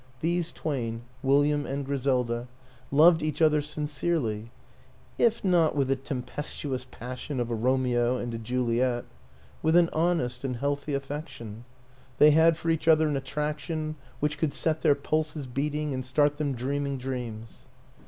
These twain, William and Griselda, loved each other sincerely if not with the tempestuous passion of a Romeo and a Juliet, with an honest and healthy affection; they had for each other an attraction which could set their pulses beating and start them dreaming dreams.